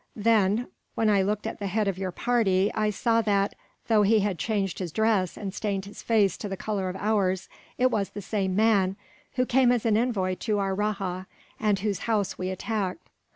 Then, when I looked at the head of your party I saw that, though he had changed his dress, and stained his face to the colour of ours, it was the same man who came as an envoy to our rajah, and whose house we attacked.